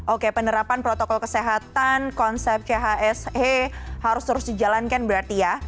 oke penerapan protokol kesehatan konsep chse harus terus dijalankan berarti ya